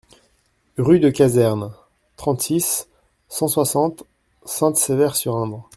Rue de Caserne, trente-six, cent soixante Sainte-Sévère-sur-Indre